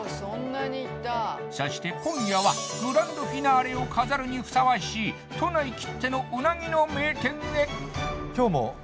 そして今夜はグランドフィナーレを飾るにふさわしい都内きってのうなぎの名店へ！